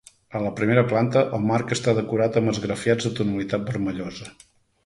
A la primera planta, el marc està decorat amb esgrafiats de tonalitat vermellosa.